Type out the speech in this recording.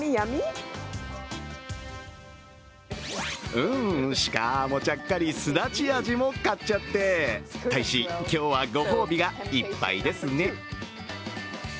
うん、しかもちゃっかりすだち味も買っちゃって大使、今日はご褒美がいっぱいですね。